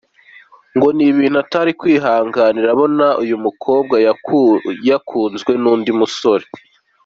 Ngo ni ibintu atari kwihanganira abona uyu mukobwa yakunzwe n’undi musore.